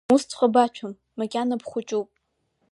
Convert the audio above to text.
Усҵәҟьа баҭәам, макьана бхәыҷуп!